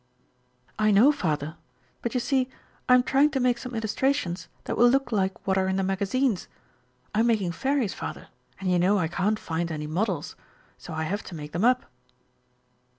"I know, father, but you see I am trying to make some illustrations that will look like what are in the magazines. I'm making fairies, father, and you know I can't find any models, so I have to make them up."